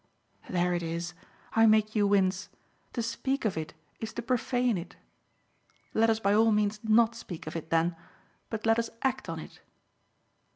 There it is I make you wince: to speak of it is to profane it. Let us by all means not speak of it then, but let us act on it."